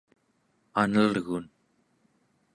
anelgun